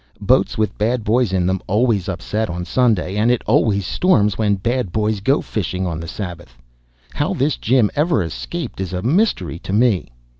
Boats with bad boys in them always upset on Sunday, and it always storms when bad boys go fishing on the Sabbath. How this Jim ever escaped is a mystery to me.